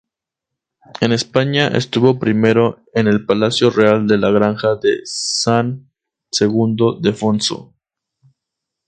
En España estuvo primero en el Palacio Real de La Granja de San Ildefonso.